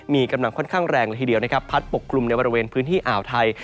มีกำลังค่อนข้างแรงละทีเดียวนะครับพัดปกกลุ่มในบริเวณพื้นที่อ่าวไทย